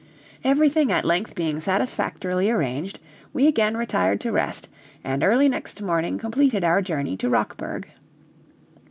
Everything at length being satisfactorily arranged, we again retired to rest, and early next morning completed our journey to Rockburg.